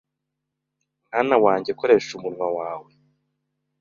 Mwana wanjye, koresha umunwa wawe